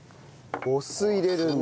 お酢入れるんだ。